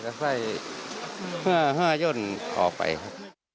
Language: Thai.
ก็ใส่ห้าย่นออกไปครับ